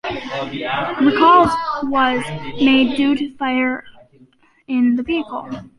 Recalls was made due to fire in the vehicle.